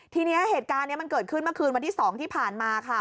ทีนี้เหตุการณ์นี้มันเกิดขึ้นเมื่อคืนวันที่๒ที่ผ่านมาค่ะ